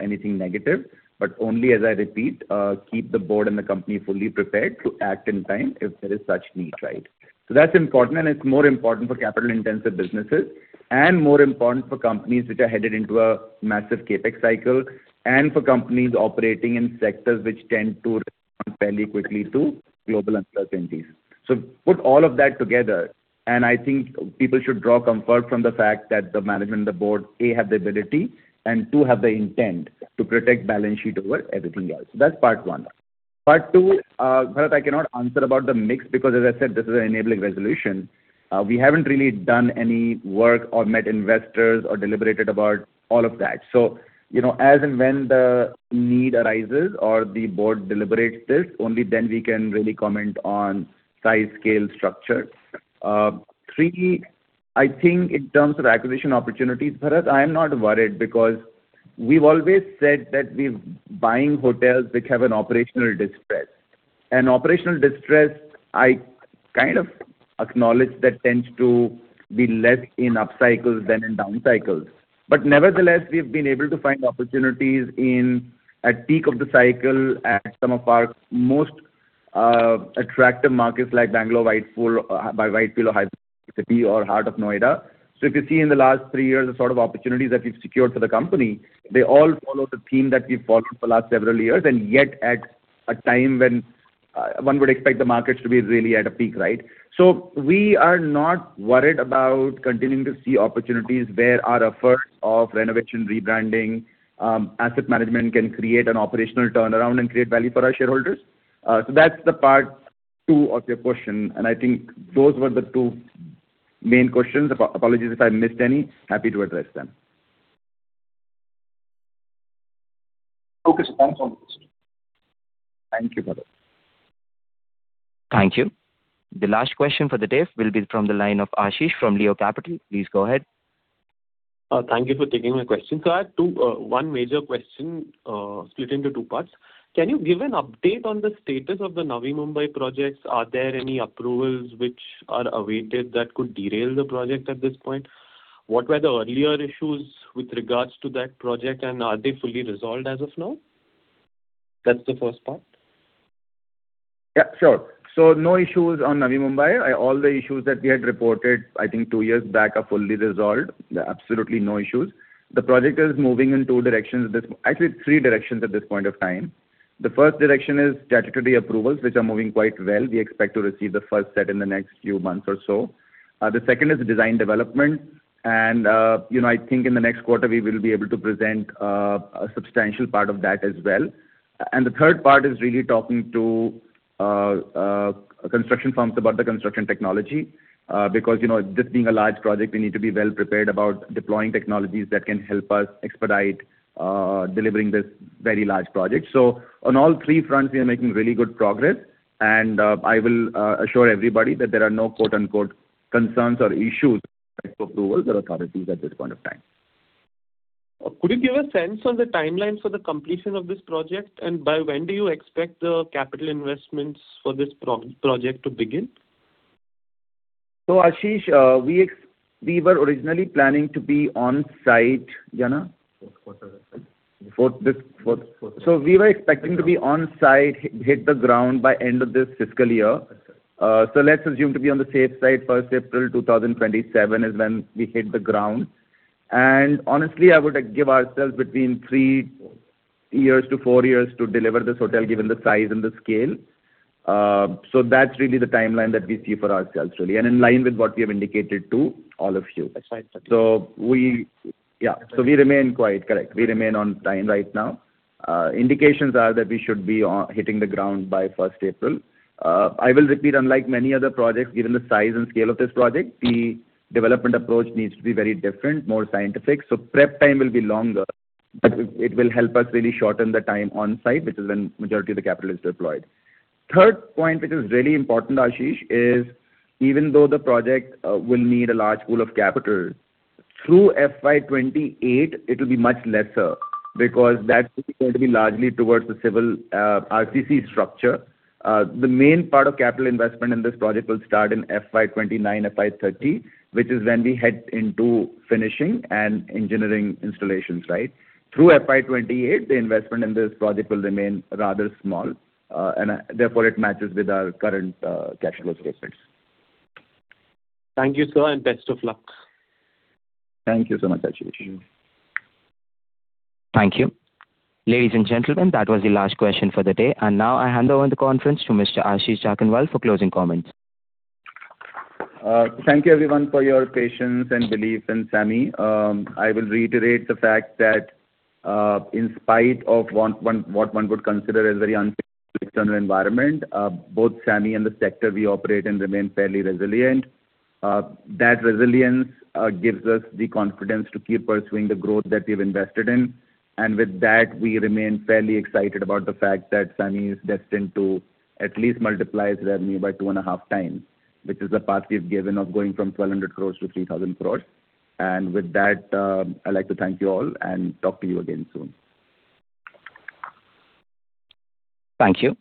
anything negative, but only as I repeat keep the board and the company fully prepared to act in time if there is such need, right? That's important, and it's more important for capital-intensive businesses and more important for companies which are headed into a massive CapEx cycle and for companies operating in sectors which tend to respond fairly quickly to global uncertainties. Put all of that together, and I think people should draw comfort from the fact that the management and the board, A, have the ability and two, have the intent to protect balance sheet over everything else. That's part one. Part two, Bharat, I cannot answer about the mix because as I said, this is an enabling resolution. We haven't really done any work or met investors or deliberated about all of that. As and when the need arises or the board deliberates this, only then we can really comment on size, scale, structure. Three, I think in terms of acquisition opportunities, Bharat, I am not worried because we've always said that we're buying hotels which have an operational distress. Operational distress, I kind of acknowledge that tends to be less in up cycles than in down cycles. Nevertheless, we've been able to find opportunities in at peak of the cycle at some of our most attractive markets like Bangalore by Whitefield or Hyderabad City or Heart of Noida. If you see in the last three years, the sort of opportunities that we've secured for the company, they all follow the theme that we've followed for the last several years and yet at a time when one would expect the markets to be really at a peak, right? We are not worried about continuing to see opportunities where our efforts of renovation, rebranding, asset management can create an operational turnaround and create value for our shareholders. That's the part two of your question, and I think those were the two Main questions. Apologies if I missed any. Happy to address them. Okay, sir. Thanks a lot. Thank you, Bharat. Thank you. The last question for the day will be from the line of Ashish from Leo Capital. Please go ahead. Thank you for taking my question. I have one major question split into two parts. Can you give an update on the status of the Navi Mumbai projects? Are there any approvals which are awaited that could derail the project at this point? What were the earlier issues with regards to that project, and are they fully resolved as of now? That's the first part. Yeah, sure. No issues on Navi Mumbai. All the issues that we had reported, I think two years back, are fully resolved. There are absolutely no issues. The project is moving in two directions, actually three directions at this point of time. The first direction is statutory approvals, which are moving quite well. We expect to receive the first set in the next few months or so. The second is design development. I think in the next quarter, we will be able to present a substantial part of that as well. The third part is really talking to construction firms about the construction technology, because this being a large project, we need to be well-prepared about deploying technologies that can help us expedite delivering this very large project. On all three fronts, we are making really good progress, and I will assure everybody that there are no "concerns" or issues with approvals or authorities at this point of time. Could you give a sense on the timeline for the completion of this project? By when do you expect the capital investments for this project to begin? Ashish, we were originally planning to be on-site. [inaudible] Fourth quarter. We were expecting to be on-site, hit the ground by end of this fiscal year. Let's assume to be on the safe side, first April 2027 is when we hit the ground. Honestly, I would give ourselves between three years to four years to deliver this hotel, given the size and the scale. That's really the timeline that we see for ourselves, really, and in line with what we have indicated to all of you. That's right. We remain quite correct. We remain on time right now. Indications are that we should be hitting the ground by first April. I will repeat, unlike many other projects, given the size and scale of this project, the development approach needs to be very different, more scientific. Prep time will be longer, but it will help us really shorten the time on-site, which is when majority of the capital is deployed. Third point, which is really important, Ashish, is even though the project will need a large pool of capital, through FY 2028 it will be much lesser because that's going to be largely towards the civil RCC structure. The main part of capital investment in this project will start in FY 2029, FY 2030, which is when we head into finishing and engineering installations. Through FY 2028, the investment in this project will remain rather small. Therefore, it matches with our current cash flow statements. Thank you, sir, and best of luck. Thank you so much, Ashish. Thank you. Ladies and gentlemen, that was the last question for the day. Now I hand over the conference to Mr. Ashish Jakhanwala for closing comments. Thank you everyone for your patience and belief in SAMHI. I will reiterate the fact that in spite of what one would consider a very uncertain external environment, both SAMHI and the sector we operate in remain fairly resilient. That resilience gives us the confidence to keep pursuing the growth that we've invested in. With that, we remain fairly excited about the fact that SAMHI is destined to at least multiply its revenue by 2.5x, which is the path we've given of going from 1,200 crores to 3,000 crores. With that, I'd like to thank you all and talk to you again soon. Thank you.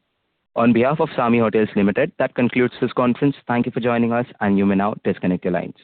On behalf of SAMHI Hotels Limited, that concludes this conference. Thank you for joining us, and you may now disconnect your lines.